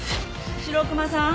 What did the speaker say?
・白熊さん